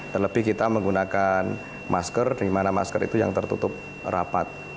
terlebih kita menggunakan masker di mana masker itu yang tertutup rapat